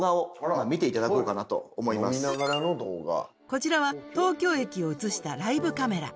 こちらは東京駅を映したライブカメラ